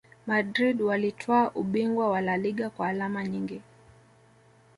madrid walitwaa ubingwa wa laliga kwa alama nyingi